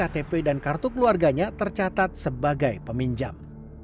data pribadi ktp dan kartu keluarganya tercatat sebagai peminjam